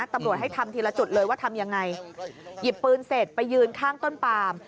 ตำรวจให้ทำทีละจุดเลยว่าทำยังไงหยิบปืนเสร็จไปยืนข้างต้นปาม